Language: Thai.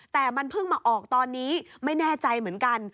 แต่มันเพิ่งมาออกตอนนี้ไม่แน่ใจเหมือนกัน